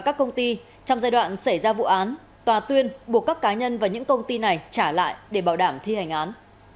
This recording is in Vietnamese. trong giai đoạn xảy ra vụ án tòa tuyên buộc các cá nhân và những công ty này trả lại để bảo đảm thi hành án